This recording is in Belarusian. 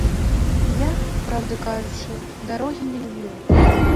Я, праўду кажучы, дарогі не люблю.